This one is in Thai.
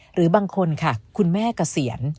หรือบางคนค่ะคุณแม่เกษียณ